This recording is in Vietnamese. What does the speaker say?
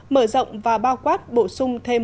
mở rộng và bao quát bổ sung thêm